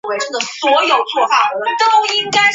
美丽沙穗为唇形科沙穗属下的一个种。